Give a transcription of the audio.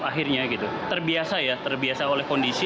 akhirnya gitu terbiasa ya terbiasa oleh kondisi